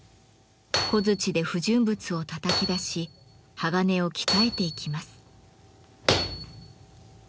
小づちで不純物をたたき出し鋼を鍛えていきます。